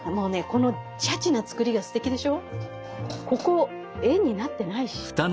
ここ円になってないし。